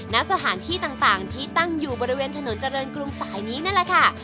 ณสถานที่ต่างที่ตั้งอยู่บริเวณถนนเจริญกรุงสายนี้นั่นแหละค่ะ